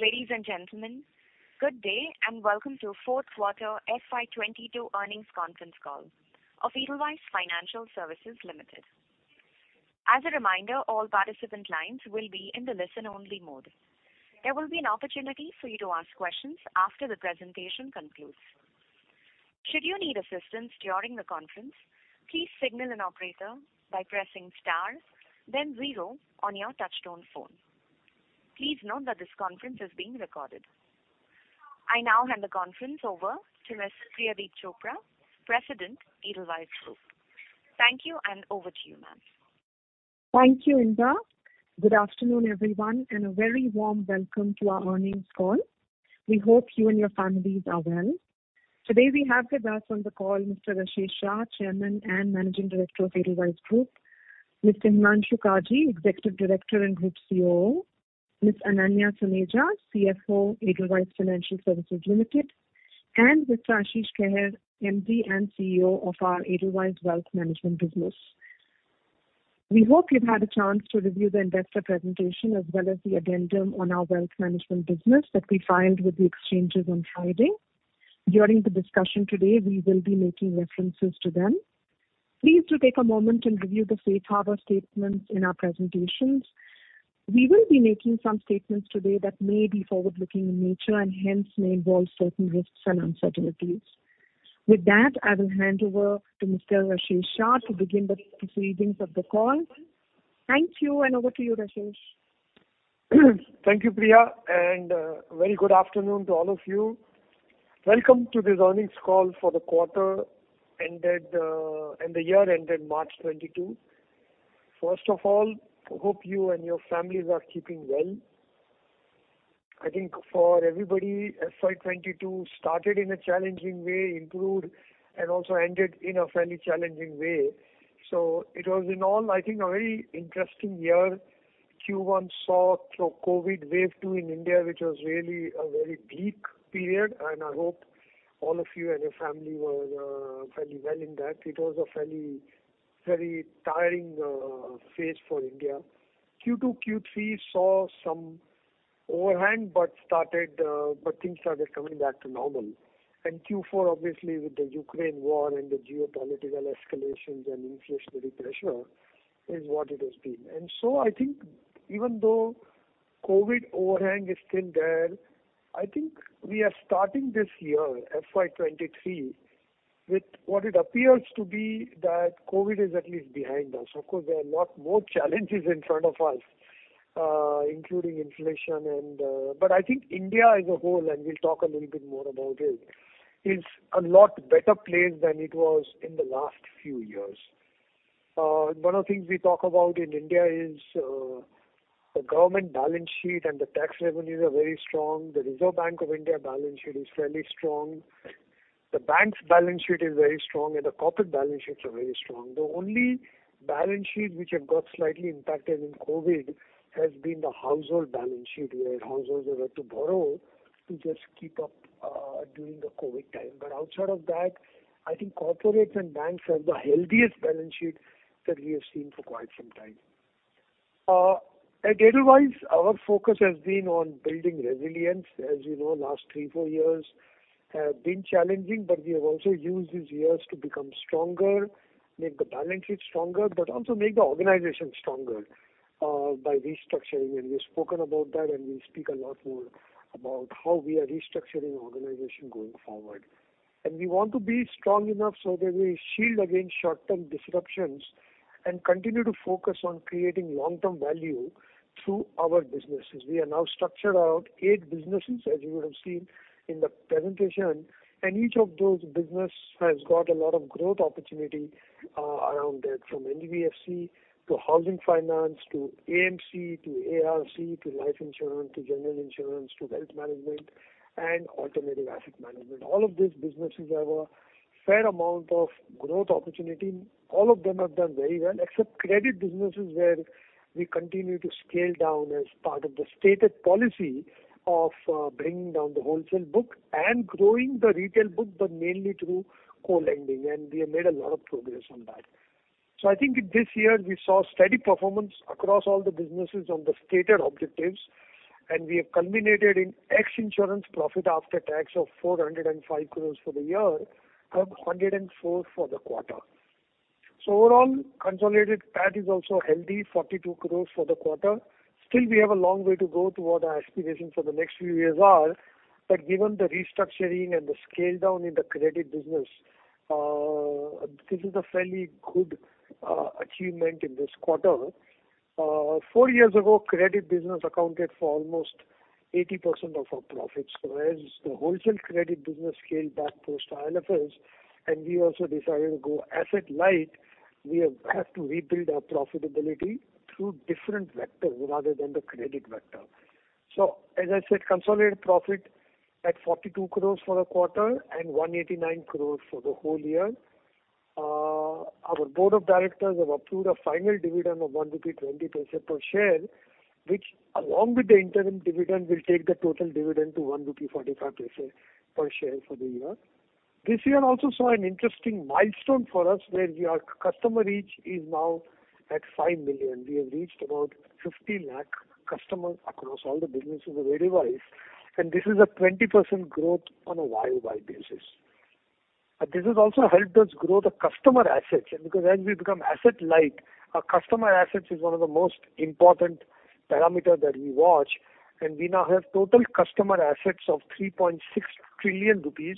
Ladies and gentlemen, good day and welcome to 4th quarter FY22 earnings conference call of Edelweiss Financial Services Limited. As a reminder, all participant lines will be in the listen-only mode. There will be an opportunity for you to ask questions after the presentation concludes. Should you need assistance during the conference, please signal an operator by pressing star then zero on your touchtone phone. Please note that this conference is being recorded. I now hand the conference over to Ms. Priyadeep Chopra, President, Edelweiss Group. Thank you, and over to you, ma'am. Thank you, Inda. Good afternoon, everyone, and a very warm welcome to our earnings call. We hope you and your families are well. Today we have with us on the call Mr. Rashesh Shah, Chairman and Managing Director of Edelweiss Group, Mr. Himanshu Kaji, Executive Director and Group COO, Ms. Ananya Suneja, CFO, Edelweiss Financial Services Limited, and Mr. Ashish Kehair, MD and CEO of our Edelweiss Wealth Management business. We hope you've had a chance to review the investor presentation as well as the addendum on our wealth management business that we filed with the exchanges on Friday. During the discussion today, we will be making references to them. Please do take a moment and review the safe harbor statements in our presentations. We will be making some statements today that may be forward-looking in nature and hence may involve certain risks and uncertainties. With that, I will hand over to Mr. Rashesh Shah to begin the proceedings of the call. Thank you, and over to you, Rashesh. Thank you, Priya, and very good afternoon to all of you. Welcome to this earnings call for the quarter ended and the year ended March 2022. First of all, hope you and your families are keeping well. I think for everybody, FY 2022 started in a challenging way, improved and also ended in a fairly challenging way. It was in all, I think, a very interesting year. Q1 saw through COVID wave two in India, which was really a very bleak period, and I hope all of you and your family were fairly well in that. It was a fairly, very tiring phase for India. Q2, Q3 saw some overhang but things started coming back to normal. Q4 obviously with the Ukraine war and the geopolitical escalations and inflationary pressure is what it has been. I think even though COVID overhang is still there, I think we are starting this year, FY 2023, with what it appears to be that COVID is at least behind us. Of course, there are lot more challenges in front of us, including inflation and. I think India as a whole, and we'll talk a little bit more about it, is a lot better place than it was in the last few years. One of the things we talk about in India is, the government balance sheet and the tax revenues are very strong. The Reserve Bank of India balance sheet is fairly strong. The bank's balance sheet is very strong and the corporate balance sheets are very strong. The only balance sheet which have got slightly impacted in COVID has been the household balance sheet, where households have had to borrow to just keep up during the COVID time. Outside of that, I think corporates and banks have the healthiest balance sheet that we have seen for quite some time. At Edelweiss, our focus has been on building resilience. As you know, last three, four years have been challenging, but we have also used these years to become stronger, make the balance sheet stronger, but also make the organization stronger by restructuring. We've spoken about that and we speak a lot more about how we are restructuring organization going forward. We want to be strong enough so that we shield against short-term disruptions and continue to focus on creating long-term value through our businesses. We are now structured into 8 businesses, as you would have seen in the presentation, and each of those businesses has got a lot of growth opportunity around it, from NBFC to housing finance to AMC to ARC to life insurance to general insurance to wealth management and alternative asset management. All of these businesses have a fair amount of growth opportunity. All of them have done very well, except credit businesses, where we continue to scale down as part of the stated policy of bringing down the wholesale book and growing the retail book, but mainly through co-lending, and we have made a lot of progress on that. I think this year we saw steady performance across all the businesses on the stated objectives, and we have culminated in insurance profit after tax of 405 crores for the year and 104 crores for the quarter. Overall, consolidated PAT is also healthy, 42 crores for the quarter. Still we have a long way to go toward our aspiration for the next few years are, but given the restructuring and the scale down in the credit business, this is a fairly good achievement in this quarter. Four years ago, credit business accounted for almost 80% of our profits. As the wholesale credit business scaled back post IL&FS, and we also decided to go asset light, we have to rebuild our profitability through different vectors rather than the credit vector. Consolidated profit at 42 crore for the quarter and 189 crore for the whole year. Our board of directors have approved a final dividend of 1.20 rupee per share, which along with the interim dividend will take the total dividend to 1.45 rupee per share for the year. This year also saw an interesting milestone for us where our customer reach is now at 5 million. We have reached about 50 lakh customers across all the businesses of Edelweiss, and this is a 20% growth on a YoY basis. This has also helped us grow the customer assets. Because as we become asset light, our customer assets is one of the most important parameter that we watch. We now have total customer assets of 3.6 trillion rupees,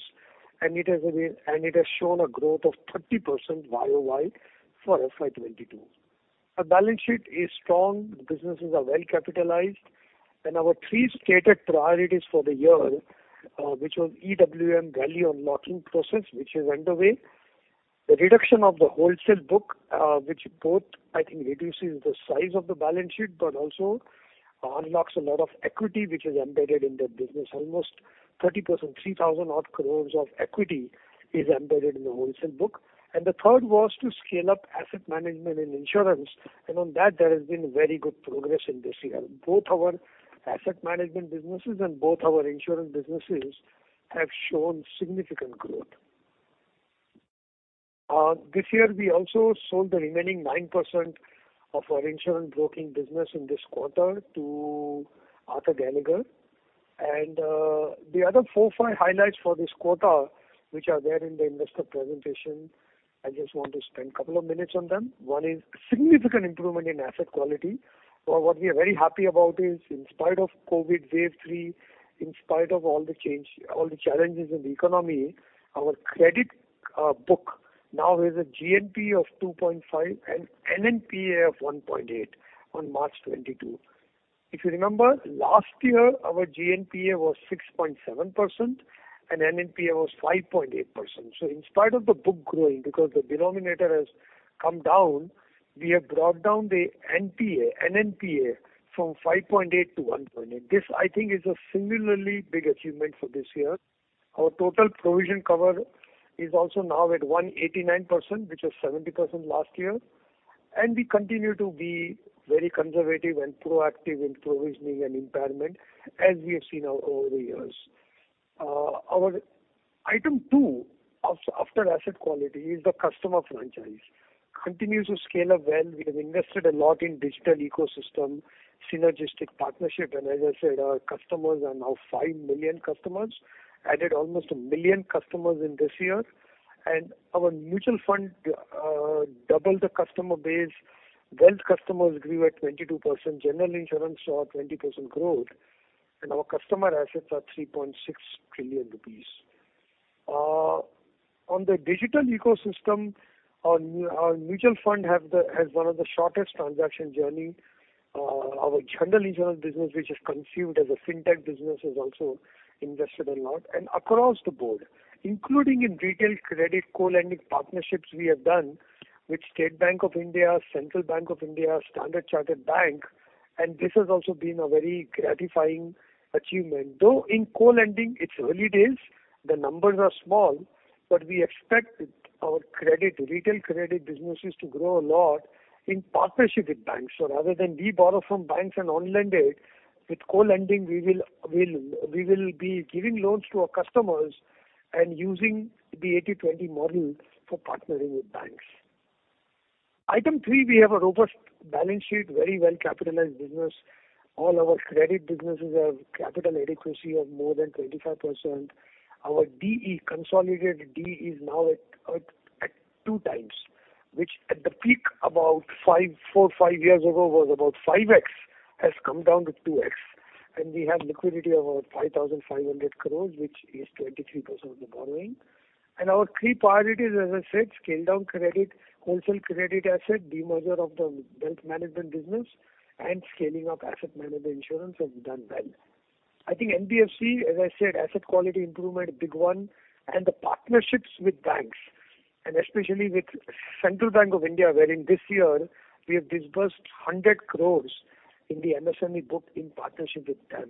and it has shown a growth of 20% YoY for FY 2022. Our balance sheet is strong, the businesses are well capitalized, and our three stated priorities for the year, which was EWM value unlocking process, which is underway. The reduction of the wholesale book, which both I think reduces the size of the balance sheet but also unlocks a lot of equity which is embedded in that business. Almost 30%, 3,000-odd crores of equity is embedded in the wholesale book. The 3rd was to scale up asset management and insurance. On that, there has been very good progress in this year. Both our asset management businesses and both our insurance businesses have shown significant growth. This year we also sold the remaining 9% of our insurance broking business in this quarter to Arthur J. Gallagher & Co. The other four or five highlights for this quarter, which are there in the investor presentation, I just want to spend a couple of minutes on them. One is significant improvement in asset quality. What we are very happy about is in spite of COVID wave three, in spite of all the change, all the challenges in the economy, our credit book now has a GNPA of 2.5% and NNPA of 1.8% on March 2022. If you remember, last year our GNPA was 6.7% and NNPA was 5.8%. In spite of the book growing because the denominator has come down, we have brought down the NNPA from 5.8%-1.8%. This, I think, is a similarly big achievement for this year. Our total provision cover is also now at 189%, which was 70% last year. We continue to be very conservative and proactive in provisioning and impairment, as we have seen over the years. Our item two after asset quality is the customer franchise. It continues to scale up well. We have invested a lot in digital ecosystem, synergistic partnership, and as I said, our customers are now 5 million customers, added almost a million customers in this year. Our mutual fund doubled the customer base. Wealth customers grew at 22%. General Insurance saw a 20% growth, and our customer assets are 3.6 trillion rupees. On the digital ecosystem, our mutual fund has one of the shortest transaction journey. Our General Insurance business, which is considered as a fintech business, has also invested a lot across the board, including in retail credit co-lending partnerships we have done with State Bank of India, Central Bank of India, Standard Chartered Bank, and this has also been a very gratifying achievement. Though in co-lending, it's early days, the numbers are small, but we expect our credit, retail credit businesses to grow a lot in partnership with banks. Rather than we borrow from banks and on-lend it, with co-lending, we will be giving loans to our customers and using the 80/20 model for partnering with banks. Item three, we have a robust balance sheet, very well-capitalized business. All our credit businesses have capital adequacy of more than 25%. Our DE, consolidated DE is now at two times, which at the peak about four, five years ago was about 5x, has come down to 2x, and we have liquidity of about 5,500 crores, which is 23% of the borrowing. Our three priorities, as I said, scale down credit, wholesale credit asset, demerger of the wealth management business, and scaling up asset management insurance have done well. I think NBFC, as I said, asset quality improvement, big one, and the partnerships with banks and especially with Central Bank of India, where in this year we have disbursed 100 crores in the MSME book in partnership with them.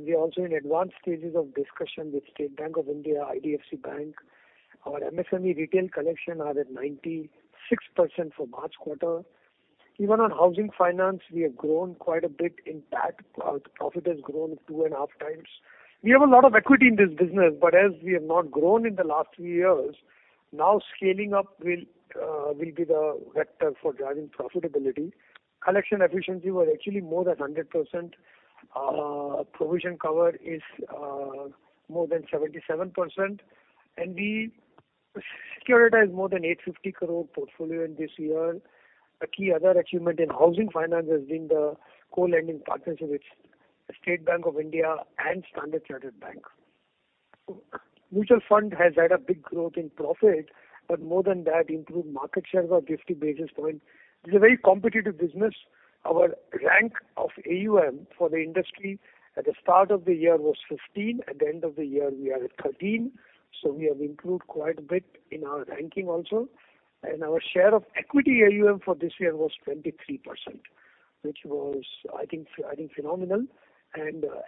We are also in advanced stages of discussion with State Bank of India, IDFC Bank. Our MSME retail collection are at 96% for March quarter. Even on housing finance, we have grown quite a bit in that. Our profit has grown two and a half times. We have a lot of equity in this business, but as we have not grown in the last few years, now scaling up will be the vector for driving profitability. Collection efficiency was actually more than 100%. Provision cover is more than 77%. We securitized more than 850 crore portfolio in this year. A key other achievement in housing finance has been the co-lending partnership with State Bank of India and Standard Chartered Bank. Mutual fund has had a big growth in profit, but more than that, improved market share of 50 basis points. This is a very competitive business. Our rank of AUM for the industry at the start of the year was 15. At the end of the year, we are at 13. We have improved quite a bit in our ranking also. Our share of equity AUM for this year was 23%, which was, I think, phenomenal.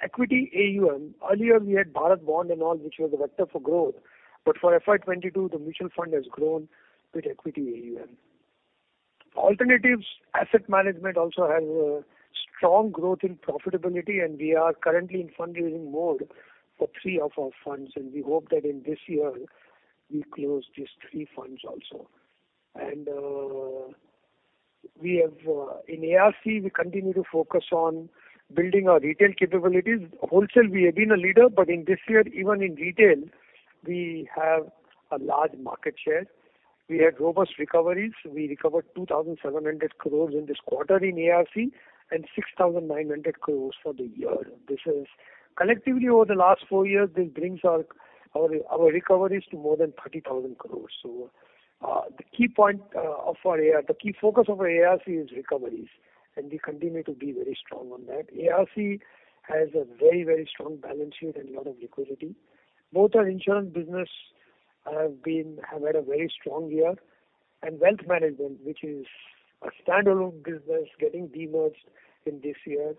Equity AUM, earlier we had Bharat Bond and all, which was a vector for growth. For FY 2022, the mutual fund has grown with equity AUM. Alternatives asset management also has a strong growth in profitability, and we are currently in fundraising mode for three of our funds. We hope that in this year we close these three funds also. We have in ARC, we continue to focus on building our retail capabilities. Wholesale we have been a leader, but in this year, even in retail, we have a large market share. We have robust recoveries. We recovered 2,700 crore in this quarter in ARC and 6,900 crore for the year. Collectively over the last four years this brings our recoveries to more than 30,000 crore. The key focus of our ARC is recoveries, and we continue to be very strong on that. ARC has a very, very strong balance sheet and a lot of liquidity. Both our insurance business have had a very strong year. Wealth management, which is a standalone business getting de-merged in this year,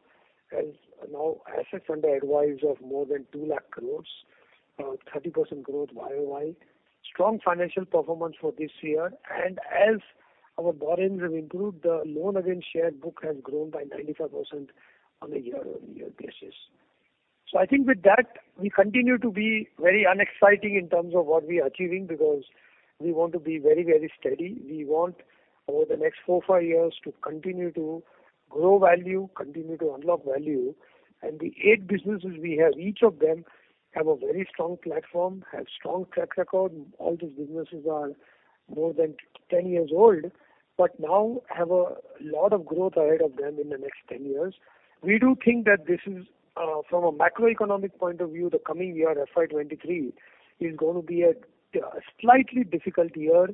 has now assets under advice of more than 2 lakh crore. 30% growth year-over-year. Strong financial performance for this year. As our borrowings have improved, the loan against shares book has grown by 95% on a year-over-year basis. I think with that, we continue to be very unexciting in terms of what we are achieving because we want to be very, very steady. We want over the next four, five years to continue to grow value, continue to unlock value. The eight businesses we have, each of them have a very strong platform, have strong track record. All those businesses are more than ten years old, but now have a lot of growth ahead of them in the next ten years. We do think that this is, from a macroeconomic point of view, the coming year, FY 2023, is gonna be a slightly difficult year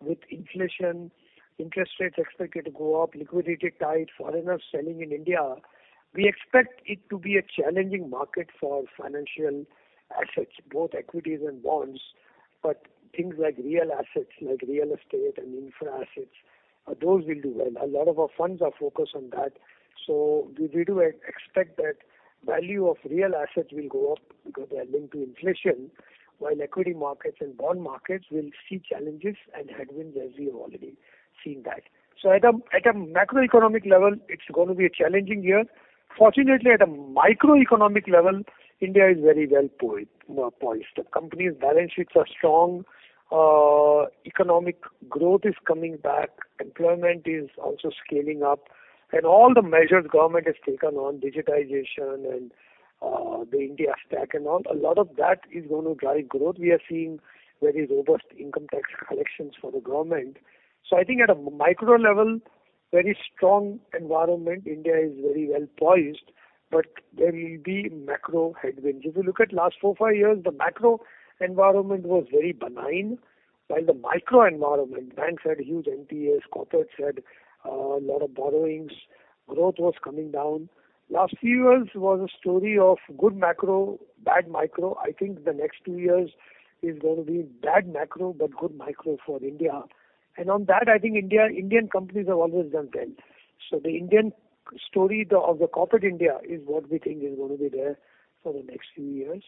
with inflation, interest rates expected to go up, liquidity tight, foreigners selling in India. We expect it to be a challenging market for financial assets, both equities and bonds. Things like real assets like real estate and infra assets, those will do well. A lot of our funds are focused on that. We do expect that value of real assets will go up because they are linked to inflation, while equity markets and bond markets will see challenges and headwinds as we have already seen that. At a macroeconomic level, it's gonna be a challenging year. Fortunately, at a microeconomic level, India is very well poised. The company's balance sheets are strong. Economic growth is coming back. Employment is also scaling up. All the measures the government has taken on digitization and, the India Stack and all, a lot of that is gonna drive growth. We are seeing very robust income tax collections for the government. I think at a micro level, very strong environment. India is very well poised. There will be macro headwinds. If you look at last four, five years, the macro environment was very benign, while the micro environment, banks had huge NPAs, corporates had a lot of borrowings, growth was coming down. Last few years was a story of good macro, bad micro. I think the next two years is gonna be bad macro but good micro for India. On that, I think India, Indian companies have always done well. The Indian story of the corporate India is what we think is gonna be there for the next few years.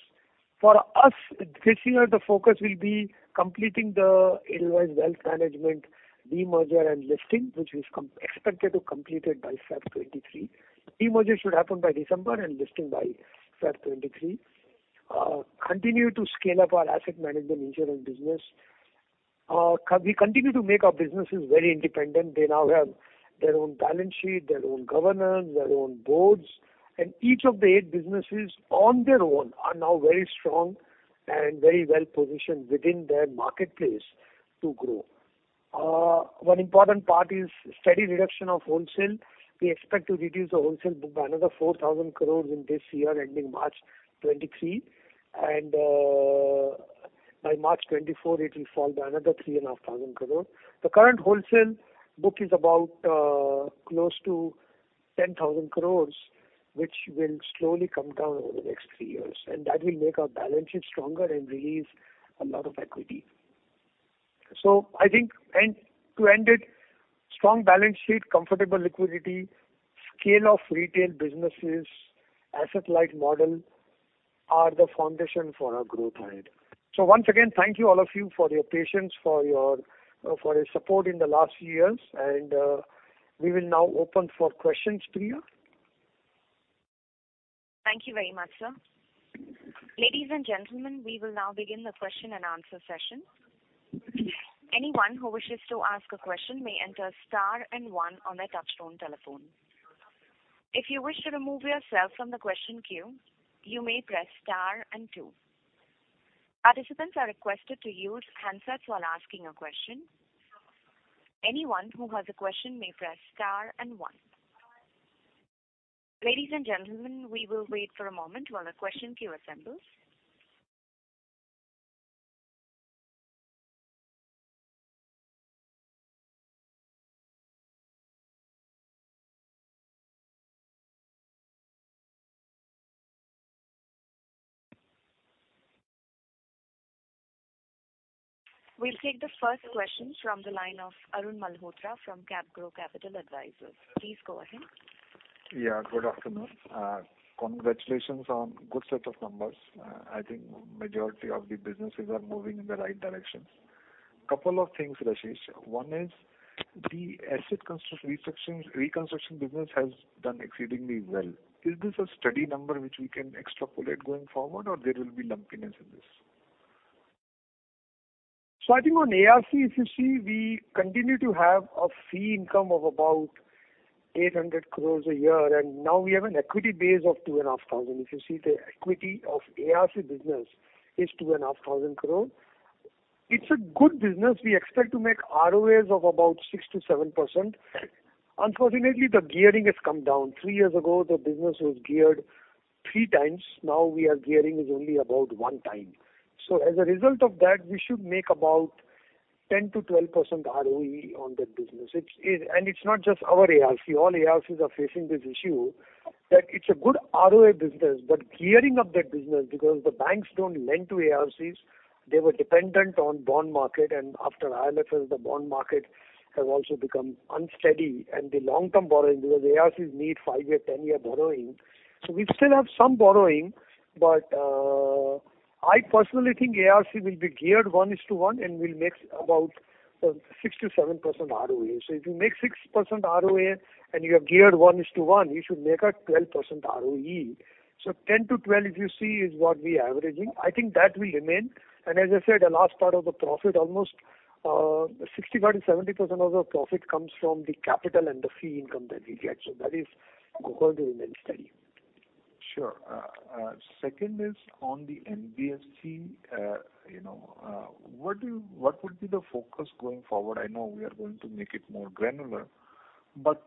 For us, this year the focus will be completing the Edelweiss Wealth Management demerger and listing, which is expected to be completed by February 2023. Demerger should happen by December and listing by February 2023. Continue to scale up our asset management insurance business. We continue to make our businesses very independent. They now have their own balance sheet, their own governance, their own boards, and each of the eight businesses on their own are now very strong and very well positioned within their marketplace to grow. One important part is steady reduction of wholesale. We expect to reduce the wholesale book by another 4,000 crore in this year ending March 2023. By March 2024 it will fall by another 3,500 crore. The current wholesale book is about close to 10,000 crores, which will slowly come down over the next three years, and that will make our balance sheet stronger and release a lot of equity. I think, and to end it, strong balance sheet, comfortable liquidity, scale of retail businesses, asset light model are the foundation for our growth ahead. Once again, thank you all of you for your patience, for your support in the last few years. We will now open for questions to you. Thank you very much, sir. Ladies and gentlemen, we will now begin the question and answer session. Anyone who wishes to ask a question may enter star and one on their touchtone telephone. If you wish to remove yourself from the question queue, you may press star and two. Participants are requested to use handsets while asking a question. Anyone who has a question may press star and one. Ladies and gentlemen, we will wait for a moment while the question queue assembles. We'll take the 1st question from the line of Arun Malhotra from CapGrow Capital Advisors. Please go ahead. Yeah. Good afternoon. Congratulations on good set of numbers. I think majority of the businesses are moving in the right direction. Couple of things, Rashesh. One is the asset reconstruction business has done exceedingly well. Is this a steady number which we can extrapolate going forward, or there will be lumpiness in this? I think on ARC, if you see, we continue to have a fee income of about 800 crore a year, and now we have an equity base of 2,500 crore. If you see the equity of ARC business is 2,500 crore. It's a good business. We expect to make ROA of about 6%-7%. Unfortunately, the gearing has come down. Three years ago, the business was geared 3x. Now our gearing is only about 1x. As a result of that, we should make about 10%-12% ROE on that business. It's not just our ARC. All ARCs are facing this issue, that it's a good ROA business, but gearing up that business because the banks don't lend to ARCs. They were dependent on bond market, and after IL&FS, the bond market has also become unsteady. The long-term borrowing, because ARCs need 5-year, 10-year borrowing. We still have some borrowing, but I personally think ARC will be geared 1:1 and will make about 6%-7% ROA. If you make 6% ROA and you have geared 1:1, you should make a 12% ROE. Ten to twelve, if you see, is what we're averaging. I think that will remain. As I said, the last part of the profit, almost 60% or 70% of the profit comes from the capital and the fee income that we get. That is going to remain steady. Sure. Second is on the NBFC, you know, what would be the focus going forward? I know we are going to make it more granular, but,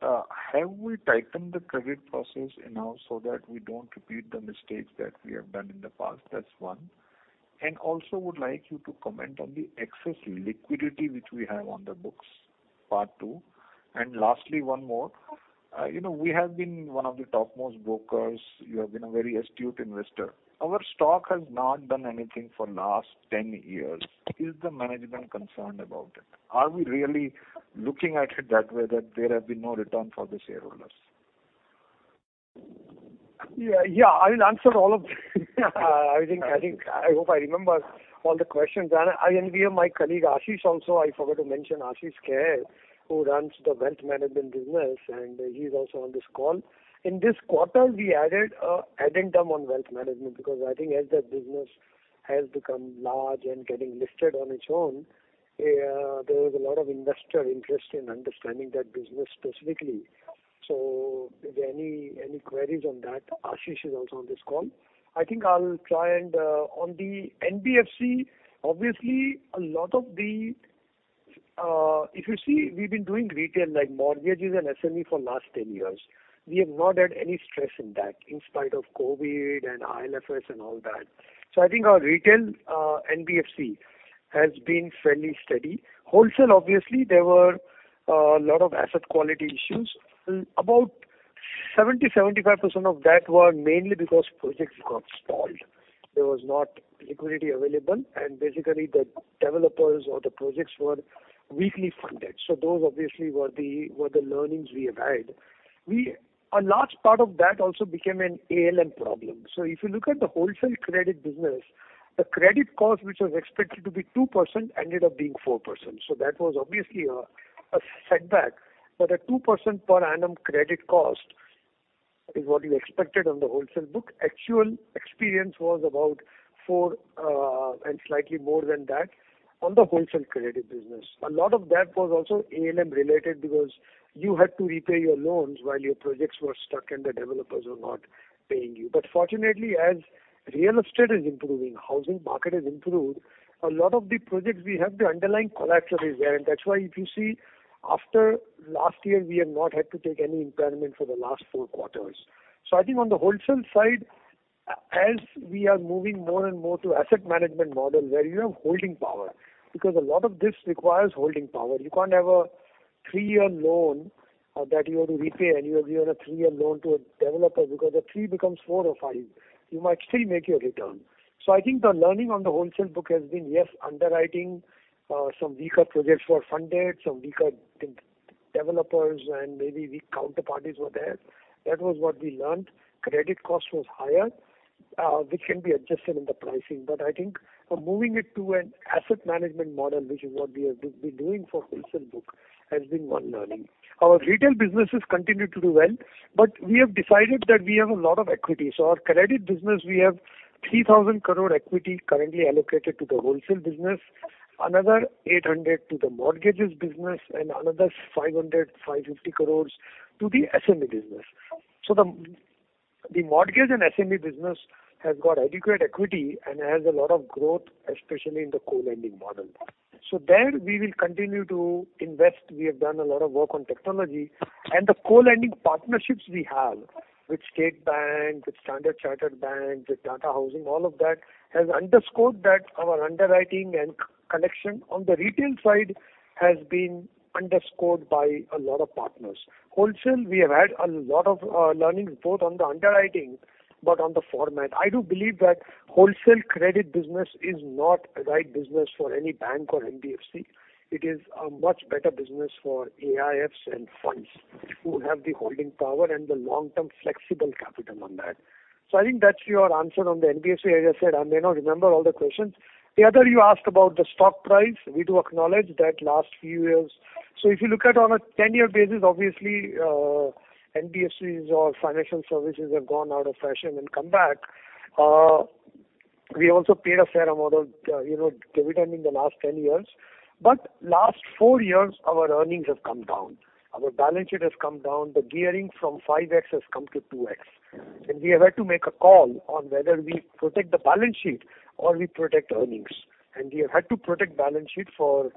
have we tightened the credit process enough so that we don't repeat the mistakes that we have done in the past? That's one. Also would like you to comment on the excess liquidity which we have on the books. Part two. Lastly, one more. You know, we have been one of the topmost brokers. You have been a very astute investor. Our stock has not done anything for last 10 years. Is the management concerned about it? Are we really looking at it that way, that there have been no return for the shareholders? Yeah. I'll answer all of, I think, I hope I remember all the questions. We have my colleague, Ashish Kehair, also. I forgot to mention Ashish Kehair, who runs the wealth management business, and he's also on this call. In this quarter, we added an addendum on wealth management because I think as that business has become large and getting listed on its own, there is a lot of investor interest in understanding that business specifically. If there are any queries on that, Ashish Kehair is also on this call. I think I'll try and on the NBFC, obviously a lot of the, if you see, we've been doing retail like mortgages and SME for last 10 years. We have not had any stress in that, in spite of COVID and IL&FS and all that. I think our retail NBFC has been fairly steady. Wholesale, obviously, there were a lot of asset quality issues. About 70%-75% of that were mainly because projects got stalled. There was not liquidity available, and basically the developers or the projects were weakly funded. Those obviously were the learnings we have had. A large part of that also became an ALM problem. If you look at the wholesale credit business, the credit cost, which was expected to be 2%, ended up being 4%. That was obviously a setback. But a 2% per annum credit cost is what we expected on the wholesale book. Actual experience was about 4% and slightly more than that on the wholesale credit business. A lot of that was also ALM related because you had to repay your loans while your projects were stuck and the developers were not paying you. Fortunately, as real estate is improving, housing market has improved, a lot of the projects we have, the underlying collateral is there. That's why if you see after last year, we have not had to take any impairment for the last four quarters. I think on the wholesale side, as we are moving more and more to asset management model where you have holding power, because a lot of this requires holding power. You can't have a three-year loan, that you have to repay and you give a three-year loan to a developer because the three becomes four or five. You might still make your return. I think the learning on the wholesale book has been, yes, underwriting some weaker projects were funded, weaker developers and maybe weak counterparties were there. That was what we learned. Credit cost was higher, which can be adjusted in the pricing. I think moving it to an asset management model, which is what we have been doing for wholesale book, has been one learning. Our retail businesses continue to do well, but we have decided that we have a lot of equity. Our credit business, we have 3,000 crore equity currently allocated to the wholesale business, another 800 crore to the mortgages business and another 550 crores to the SME business. The mortgage and SME business has got adequate equity and has a lot of growth, especially in the co-lending model. There we will continue to invest. We have done a lot of work on technology. The co-lending partnerships we have with State Bank, with Standard Chartered Bank, with Tata Housing, all of that, has underscored that our underwriting and collection on the retail side has been underscored by a lot of partners. Wholesale, we have had a lot of learning both on the underwriting, but on the format. I do believe that wholesale credit business is not a right business for any bank or NBFC. It is a much better business for AIFs and funds. Which will have the holding power and the long term flexible capital on that. I think that's your answer on the NBFC. As I said, I may not remember all the questions. The other you asked about the stock price. We do acknowledge that last few years. If you look at on a 10-year basis, obviously, NBFCs or financial services have gone out of fashion and come back. We also paid a fair amount of, you know, dividend in the last 10 years. Last four years, our earnings have come down, our balance sheet has come down. The gearing from 5x has come to 2x. We have had to make a call on whether we protect the balance sheet or we protect earnings. We have had to protect balance sheet for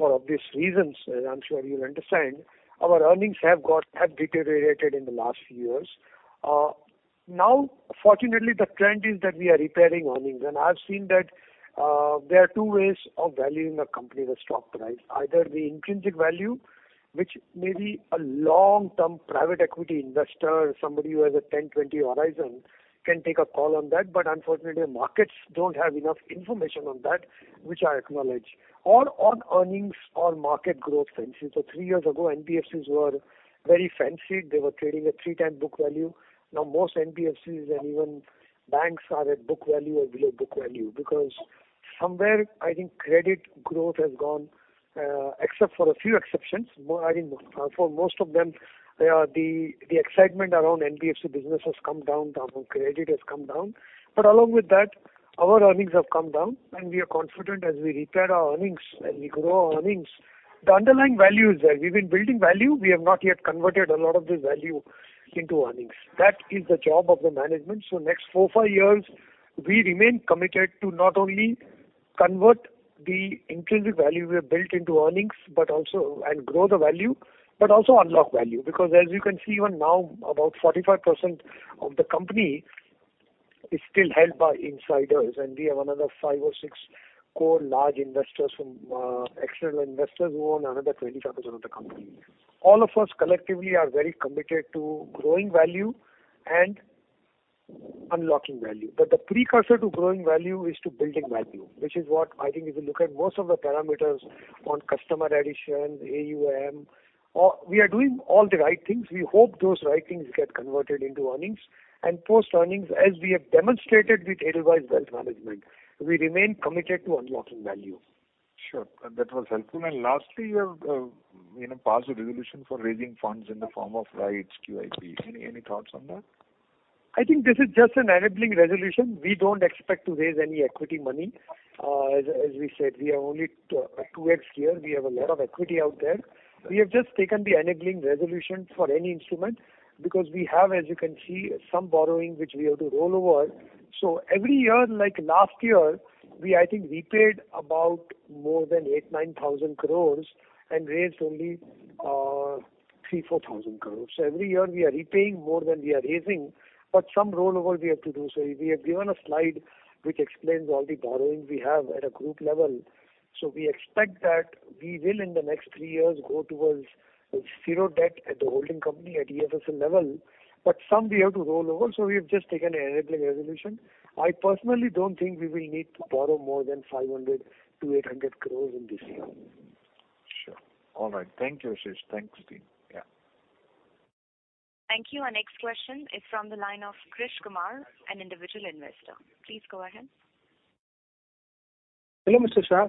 obvious reasons, as I'm sure you'll understand. Our earnings have deteriorated in the last few years. Now, fortunately, the trend is that we are repairing earnings. I've seen that there are two ways of valuing a company, the stock price. Either the intrinsic value, which may be a long-term private equity investor, somebody who has a 10-20 horizon can take a call on that. Unfortunately, markets don't have enough information on that, which I acknowledge. On earnings or market growth fancies. Three years ago, NBFCs were very fancied. They were trading at 3x book value. Now most NBFCs and even banks are at book value or below book value because somewhere I think credit growth has gone, except for a few exceptions. I think for most of them, the excitement around NBFC business has come down. The credit has come down. Along with that, our earnings have come down and we are confident as we repair our earnings and we grow our earnings, the underlying value is there. We've been building value. We have not yet converted a lot of this value into earnings. That is the job of the management. Next four, five years, we remain committed to not only convert the intrinsic value we have built into earnings, but also and grow the value, but also unlock value. Because as you can see even now, about 45% of the company is still held by insiders, and we have another 5 crore or 6 crore large investors from external investors who own another 25% of the company. All of us collectively are very committed to growing value and unlocking value. The precursor to growing value is to building value, which is what I think if you look at most of the parameters on customer addition, AUM, or we are doing all the right things. We hope those right things get converted into earnings and post earnings. As we have demonstrated with Edelweiss Wealth Management, we remain committed to unlocking value. Sure. That was helpful. Lastly, you have, you know, passed a resolution for raising funds in the form of rights QIP. Any thoughts on that? I think this is just an enabling resolution. We don't expect to raise any equity money. As we said, we are only at 2x here. We have a lot of equity out there. We have just taken the enabling resolution for any instrument because we have, as you can see, some borrowing which we have to roll over. Every year, like last year, we, I think, repaid about more than 8,000 crore-9,000 crore and raised only 3,000 crore-4,000 crore. Every year we are repaying more than we are raising. Some rollover we have to do. We have given a slide which explains all the borrowings we have at a group level. We expect that we will in the next three years go towards zero debt at the holding company at EFSL level. Some we have to roll over. We have just taken an enabling resolution. I personally don't think we will need to borrow more than 500 crore-800 crore in this year. Sure. All right. Thank you, Ashish. Thanks, team. Yeah. Thank you. Our next question is from the line of Krish Kumar, an individual investor. Please go ahead. Hello, Mr. Shah.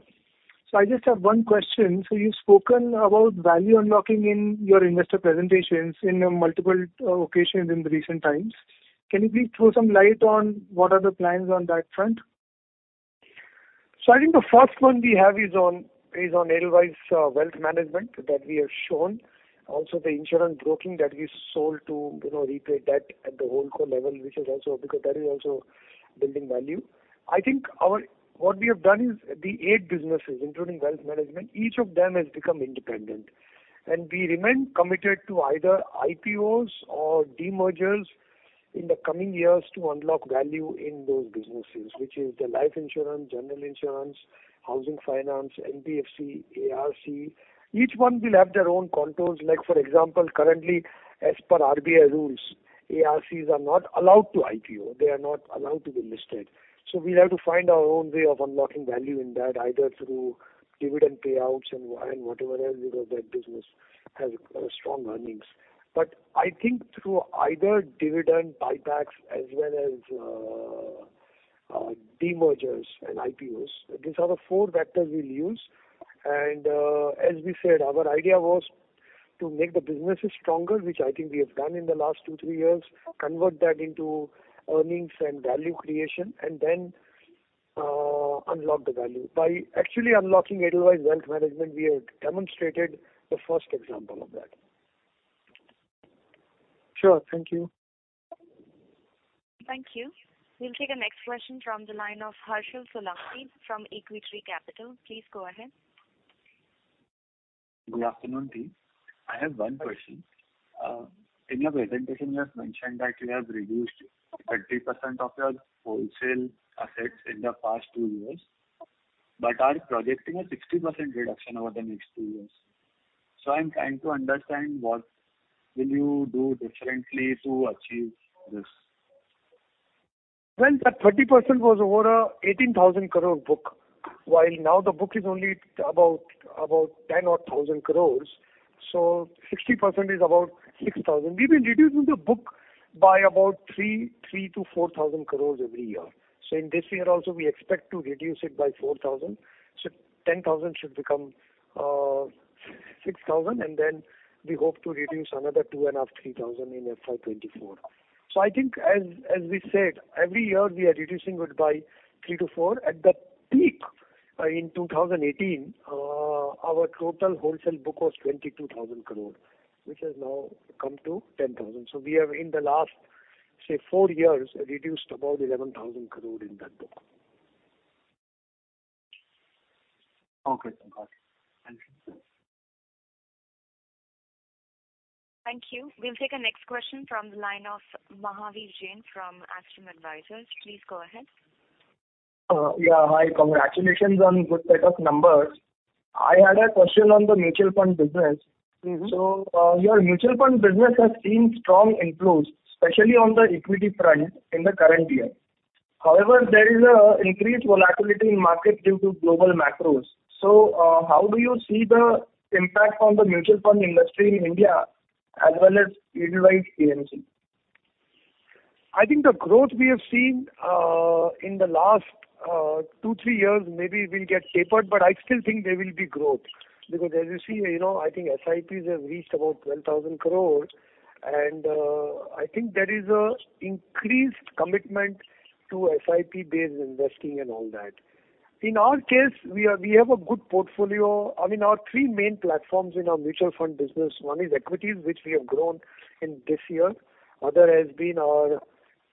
I just have one question. You've spoken about value unlocking in your investor presentations in multiple occasions in the recent times. Can you please throw some light on what are the plans on that front? I think the 1st one we have is on Edelweiss Wealth Management that we have shown. Also the insurance broking that we sold to, you know, repay debt at the whole core level, which is also because that is also building value. I think what we have done is the eight businesses, including wealth management, each of them has become independent and we remain committed to either IPOs or demergers in the coming years to unlock value in those businesses, which is the life insurance, general insurance, housing finance, NBFC, ARC. Each one will have their own contours. Like for example, currently as per RBI rules, ARCs are not allowed to IPO. They are not allowed to be listed. We'll have to find our own way of unlocking value in that, either through dividend payouts and whatever else, you know, that business has strong earnings. I think through either dividend buybacks as well as demergers and IPOs, these are the four vectors we'll use. As we said, our idea was to make the businesses stronger, which I think we have done in the last two, three years, convert that into earnings and value creation and then unlock the value. By actually unlocking Edelweiss Wealth Management, we have demonstrated the 1st example of that. Sure. Thank you. Thank you. We'll take the next question from the line of Harshil Solanki from Equitree Capital. Please go ahead. Good afternoon, team. I have one question. In your presentation, you have mentioned that you have reduced 30% of your wholesale assets in the past two years, but are projecting a 60% reduction over the next two years. I'm trying to understand what will you do differently to achieve this? When that 30% was over 18,000 crore book, while now the book is only about 10,000 crore. 60% is about 6,000 crore. We've been reducing the book by about 3,000 crore-4,000 crore every year. In this year also we expect to reduce it by 4,000 crore. 10,000 crore should become 6,000 crore, and then we hope to reduce another two and a half 3,000 crore in FY 2024. I think as we said, every year we are reducing it by 3,000 crore-4,000 crore. At the peak in 2018, our total wholesale book was 22,000 crore, which has now come to 10,000 crore. We have in the last, say, four years, reduced about 11,000 crore in that book. Okay, Solanki. Thank you. Thank you. We'll take our next question from the line of Mahavir Jain from Astum Advisors. Please go ahead. Yeah. Hi. Congratulations on good set of numbers. I had a question on the mutual fund business. Mm-hmm. Your mutual fund business has seen strong inflows, especially on the equity front in the current year. However, there is an increased volatility in the market due to global macros. How do you see the impact on the mutual fund industry in India as well as Edelweiss AMC? I think the growth we have seen in the last two, three years maybe will get tapered, but I still think there will be growth. Because as you see, you know, I think SIPs have reached about 12,000 crore, and I think there is an increased commitment to SIP-based investing and all that. In our case, we have a good portfolio. I mean, our three main platforms in our mutual fund business, one is equities, which we have grown in this year. Other has been our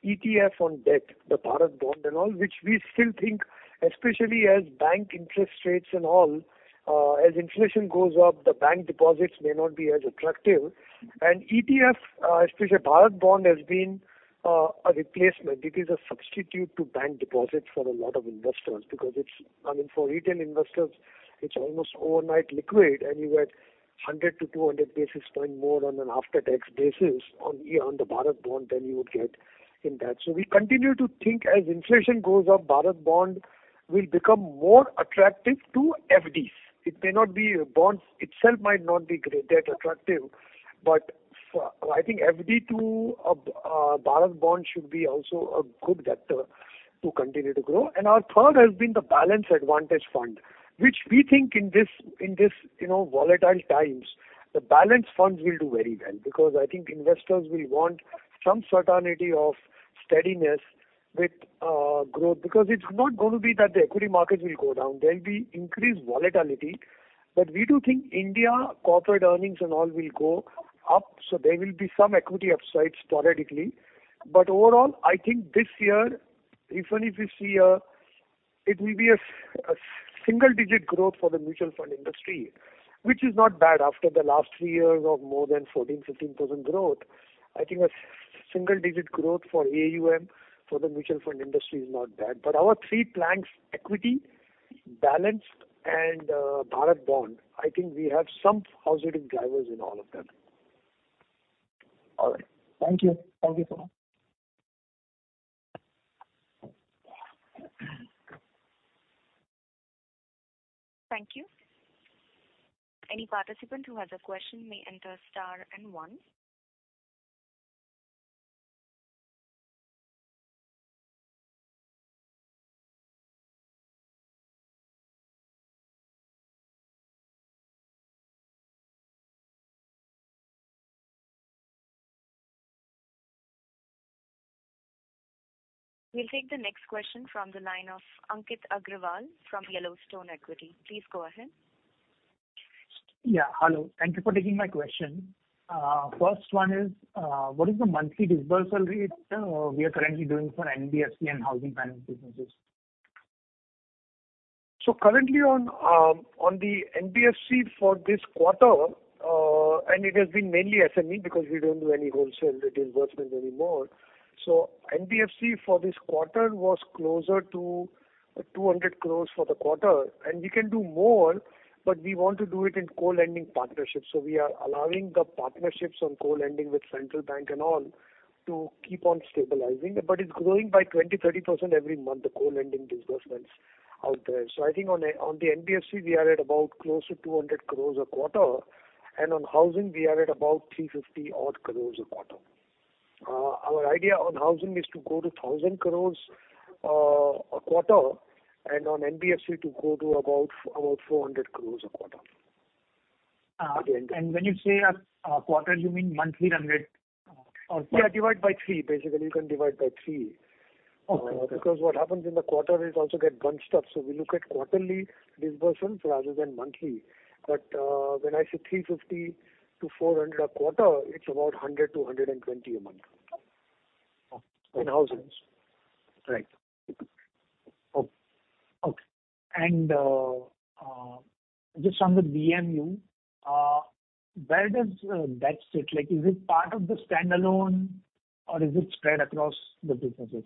ETF on debt, the Bharat Bond and all, which we still think, especially as bank interest rates and all, as inflation goes up, the bank deposits may not be as attractive. ETF, especially Bharat Bond has been a replacement. It is a substitute to bank deposits for a lot of investors because it's. I mean, for retail investors, it's almost overnight liquid, and you get 100 basis points-200 basis points more on an after-tax basis on the Bharat Bond than you would get in that. We continue to think as inflation goes up, Bharat Bond will become more attractive to FDs. It may not be, bonds itself might not be that attractive, but for, I think FD to a Bharat Bond should be also a good bet to continue to grow. Our 3rd has been the Balanced Advantage Fund, which we think in this, you know, volatile times, the balanced funds will do very well because I think investors will want some certainty of steadiness with growth because it's not going to be that the equity markets will go down. There'll be increased volatility. We do think Indian corporate earnings and all will go up, so there will be some equity upsides theoretically. Overall, I think this year, even if you see, it will be a single digit growth for the mutual fund industry, which is not bad after the last three years of more than 14%-15% growth. I think a single digit growth for AUM for the mutual fund industry is not bad. Our three planks, equity, balanced and Bharat Bond, I think we have some positive drivers in all of them. All right. Thank you. Thank you so much. Thank you. Any participant who has a question may enter star and one. We'll take the next question from the line of Ankit Agrawal from Yellowstone Equity. Please go ahead. Yeah. Hello. Thank you for taking my question. First one is, what is the monthly disbursal rate we are currently doing for NBFC and housing finance businesses? Currently, on the NBFC for this quarter, it has been mainly SME because we don't do any wholesale disbursements anymore. NBFC for this quarter was closer to 200 crore for the quarter. We can do more, but we want to do it in co-lending partnerships. We are allowing the partnerships on co-lending with Central Bank of India and all to keep on stabilizing. It's growing by 20%-30% every month, the co-lending disbursements out there. I think on the NBFC, we are at about close to 200 crore a quarter, and on housing we are at about 350 odd crore a quarter. Our idea on housing is to go to 1,000 crore a quarter and on NBFC to go to about 400 crore a quarter. When you say a quarter, you mean monthly run rate? Yeah. Divide by three. Basically, you can divide by three. Okay. Because what happens in the quarter is also get bunched up. We look at quarterly disbursements rather than monthly. When I say 350-400 a quarter, it's about 100-120 a month. Okay. In thousands. Right. Okay. Just on the BMU, where does that sit? Like is it part of the standalone or is it spread across the businesses?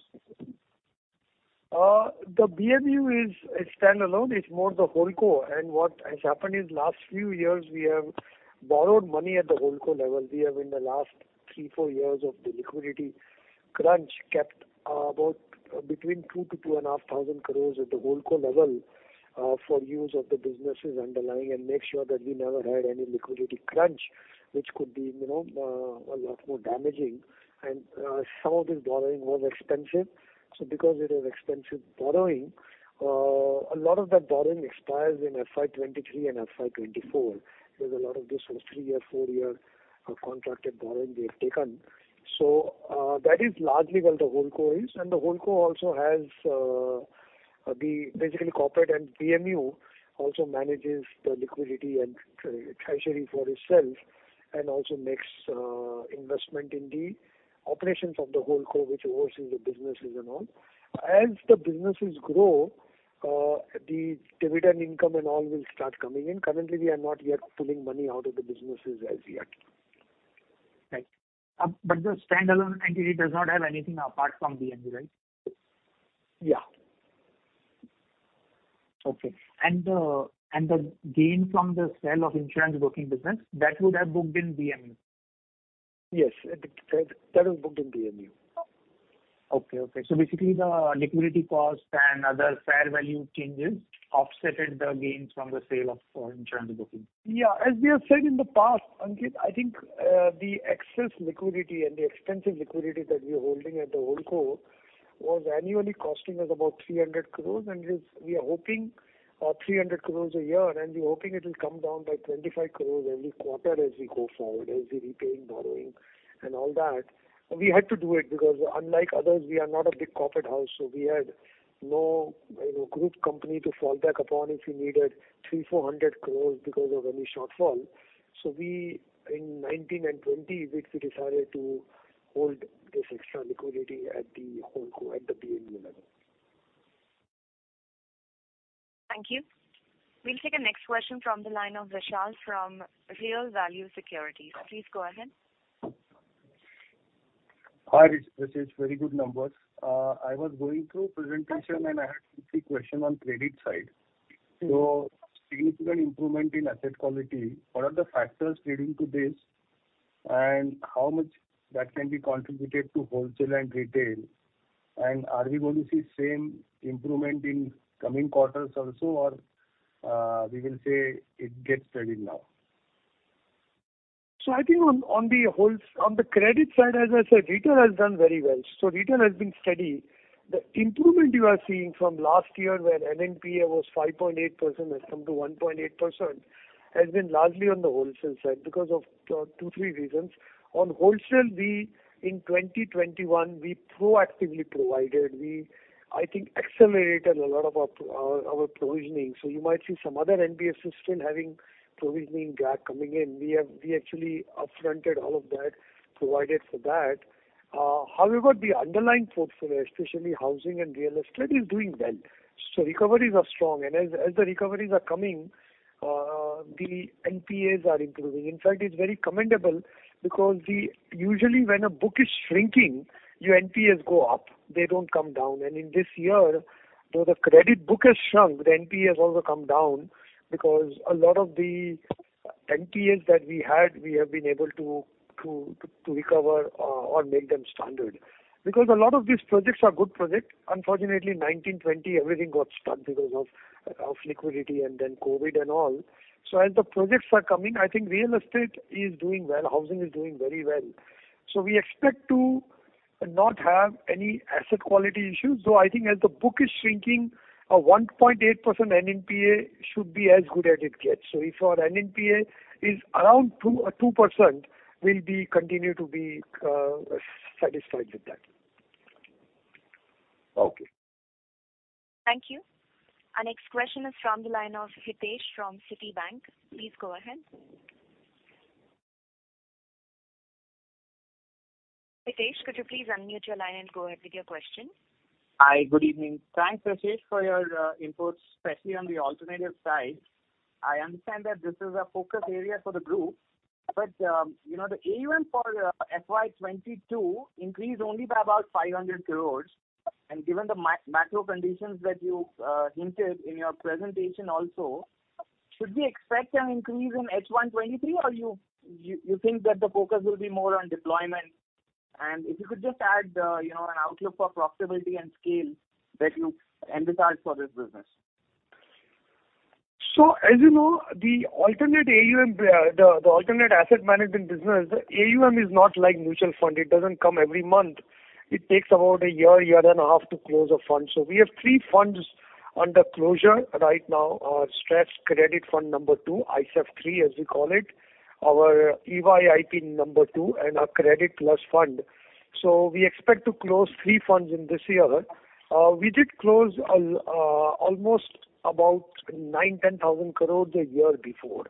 The BMU is standalone. It's more the Holdco. What has happened is last few years we have borrowed money at the Holdco level. We have in the last three, four years of the liquidity crunch kept about between 2,000 crore- 2,500 crore at the Holdco level for use of the businesses underlying and make sure that we never had any liquidity crunch which could be, you know, a lot more damaging. Some of this borrowing was expensive. Because it is expensive borrowing, a lot of that borrowing expires in FY 2023 and FY 2024. There's a lot of this was three-year, four-year contracted borrowing we have taken. That is largely where the Holdco is. The Holdco also has the basically corporate and BMU also manages the liquidity and treasury for itself and also makes investment in the operations of the Holdco which oversees the businesses and all. As the businesses grow, the dividend income and all will start coming in. Currently, we are not yet pulling money out of the businesses as yet. Right. The standalone entity does not have anything apart from BMU, right? Yeah. Okay. The gain from the sale of insurance broking business, that would have booked in BMU? Yes. That was booked in BMU. Okay. Basically the liquidity cost and other fair value changes offset the gains from the sale of insurance broking. Yeah. As we have said in the past, Ankit, I think, the excess liquidity and the expensive liquidity that we're holding at the Holdco was annually costing us about 300 crores, and it's 300 crores a year, and we're hoping it will come down by 25 crores every quarter as we go forward, as we repay borrowing and all that. We had to do it because unlike others we are not a big corporate house, so we had no, you know, group company to fall back upon if we needed 300 crores- 400 crores because of any shortfall. We in 2019 and 2020 decided to hold this extra liquidity at the Holdco, at the BMU level. Thank you. We'll take a next question from the line of Vishal from Real Value Securities. Please go ahead. Hi, Rashesh. Very good numbers. I was going through presentation and I had a few questions on credit side. Mm-hmm. Significant improvement in asset quality. What are the factors leading to this and how much that can be contributed to wholesale and retail? Are we going to see same improvement in coming quarters also or we will say it gets steady now? I think on the credit side, as I said, retail has done very well. Retail has been steady. The improvement you are seeing from last year where NNPA was 5.8% has come to 1.8% has been largely on the wholesale side because of two, three reasons. On wholesale we in 2021 proactively provided. We I think accelerated a lot of our provisioning. You might see some other NPAs still having provisioning gap coming in. We actually up-fronted all of that, provided for that. However, the underlying portfolio, especially housing and real estate is doing well. Recoveries are strong. As the recoveries are coming, the NPAs are improving. In fact, it's very commendable because usually when a book is shrinking your NPAs go up, they don't come down. In this year, though the credit book has shrunk, the NPA has also come down because a lot of the NPAs that we had, we have been able to recover or make them standard. Because a lot of these projects are good projects. Unfortunately, 2019, 2020 everything got stuck because of liquidity and then COVID and all. As the projects are coming, I think real estate is doing well, housing is doing very well. We expect to not have any asset quality issues, though I think as the book is shrinking a 1.8% NNPA should be as good as it gets. If our NNPA is around 2%, we'll continue to be satisfied with that. Okay. Thank you. Our next question is from the line of Hitesh from Citibank. Please go ahead. Hitesh, could you please unmute your line and go ahead with your question? Hi. Good evening. Thanks, Rashesh, for your inputs, especially on the alternative side. I understand that this is a focus area for the group. You know, the AUM for FY 2022 increased only by about 500 crore. Given the macro conditions that you hinted in your presentation also, should we expect an increase in H1 2023 or you think that the focus will be more on deployment? If you could just add, you know, an outlook for profitability and scale that you envisage for this business. As you know, the alternative AUM, the alternative asset management business, AUM is not like mutual fund. It doesn't come every month. It takes about a year and a half to close a fund. We have three funds under closure right now. Our stretched credit fund number two, ICIF III as we call it, our IYP II and our Credit Plus Fund. We expect to close three funds in this year. We did close almost about 9,000 crores-10,000 crores a year before.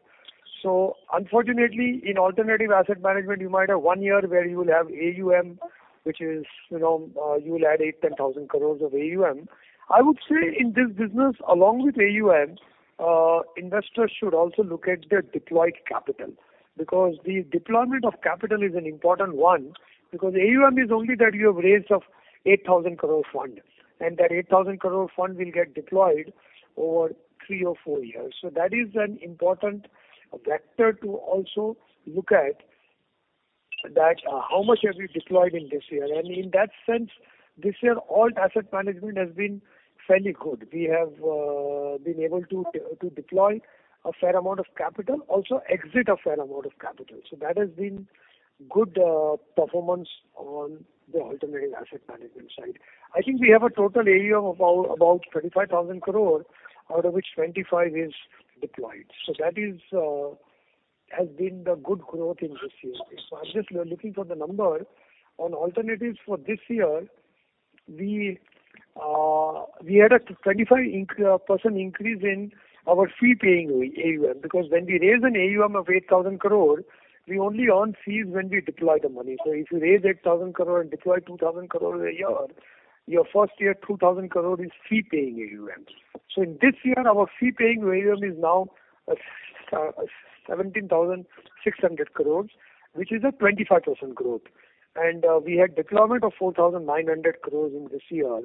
Unfortunately in alternative asset management you might have one year where you will have AUM which is, you know, you will add 8,000 crores- 10,000 crores of AUM. I would say in this business, along with AUM, investors should also look at the deployed capital because the deployment of capital is an important one because AUM is only that you have raised of 8,000 crore fund. That eight thousand crore fund will get deployed over three or four years. That is an important factor to also look at that, how much have we deployed in this year. In that sense, this year, alternative asset management has been fairly good. We have been able to deploy a fair amount of capital, also exit a fair amount of capital. That has been good performance on the alternative asset management side. I think we have a total AUM of about 25,000 crore, out of which 25 is deployed. That has been the good growth in this year. I'm just looking for the number on alternatives for this year. We had a 25% increase in our fee-paying AUM, because when we raise an AUM of 8,000 crore, we only earn fees when we deploy the money. If you raise 8,000 crore and deploy 2,000 crore a year, your 1st year 2,000 crore is fee-paying AUM. In this year, our fee-paying AUM is now 17,600 crore, which is a 25% growth. We had deployment of 4,900 crore in this year,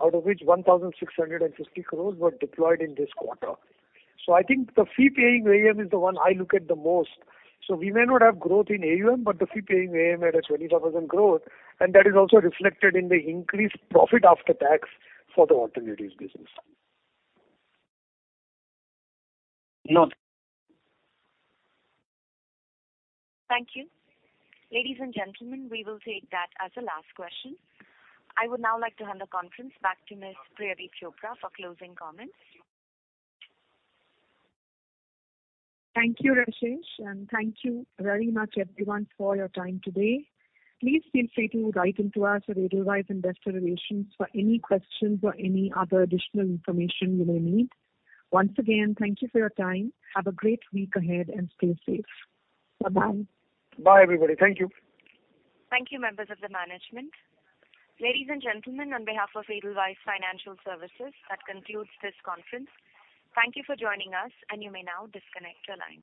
out of which 1,660 crore were deployed in this quarter. I think the fee-paying AUM is the one I look at the most. We may not have growth in AUM, but the fee-paying AUM had a 25% growth, and that is also reflected in the increased profit after tax for the alternatives business. No. Thank you. Ladies and gentlemen, we will take that as the last question. I would now like to hand the conference back to Miss Priyadeep Chopra for closing comments. Thank you, Rashesh, and thank you very much everyone for your time today. Please feel free to write into us at Edelweiss Investor Relations for any questions or any other additional information you may need. Once again, thank you for your time. Have a great week ahead and stay safe. Bye-bye. Bye everybody. Thank you. Thank you, members of the management. Ladies and gentlemen, on behalf of Edelweiss Financial Services, that concludes this conference. Thank you for joining us, and you may now disconnect your lines.